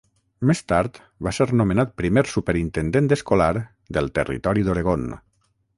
Més tard va ser nomenat primer superintendent escolar del territori d'Oregon.